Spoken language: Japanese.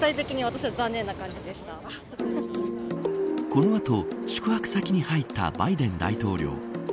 この後、宿泊先に入ったバイデン大統領。